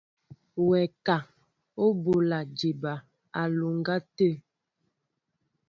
Wɛ ka , o bola jěbá á alɔŋgá tê?